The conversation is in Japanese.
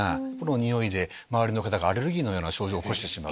ニオイで周りがアレルギーのような症状を起こしてしまう。